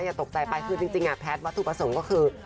อย่าตกใจไปคือจริงแพทย์วัตถุประสงค์ก็คือ